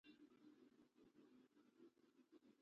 پردې نڅیږي